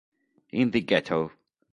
In the Ghetto